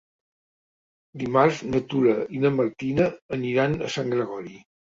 Dimarts na Tura i na Martina aniran a Sant Gregori.